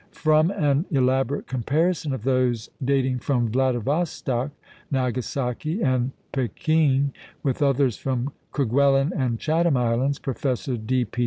From an elaborate comparison of those dating from Vladivostock, Nagasaki, and Pekin, with others from Kerguelen and Chatham Islands, Professor D. P.